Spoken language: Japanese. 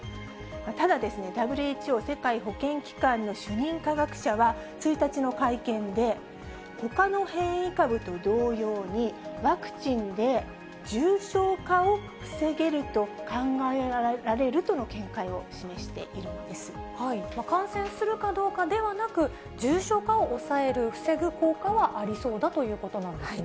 ただ、ＷＨＯ・世界保健機関の主任科学者は、１日の会見で、ほかの変異株と同様に、ワクチンで重症化を防げると考えられるとの見解を示しているんで感染するかどうかではなく、重症化を抑える、防ぐ効果はありそうだということなんですね。